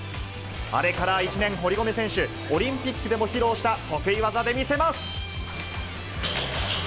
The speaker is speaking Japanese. あれから１年、堀米選手、オリンピックでも披露した得意技で見せます。